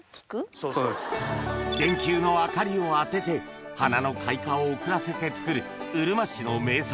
電球の明かりを当てて花の開花を遅らせて作るうるま市の名産